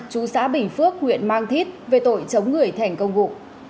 chú xã bình phước huyện mang thít về tội chống người thành công vụ